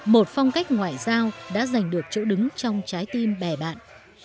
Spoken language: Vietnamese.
một phong cách ngoại giao đã giành được chỗ đứng trong trái tim bè bạn